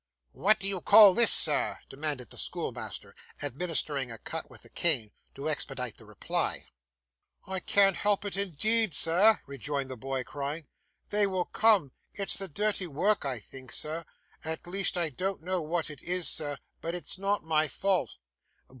'What do you call this, sir?' demanded the schoolmaster, administering a cut with the cane to expedite the reply. 'I can't help it, indeed, sir,' rejoined the boy, crying. 'They will come; it's the dirty work I think, sir at least I don't know what it is, sir, but it's not my fault.